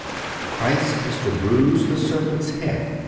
Christ is to bruise the serpent's head.